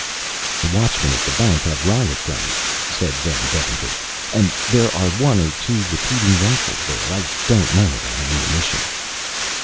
"The watchmen at the bank have riot guns," said Van Deventer, "and there are one or two repeating rifles there. I don't know about ammunition."